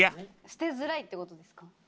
捨てづらいってことですか？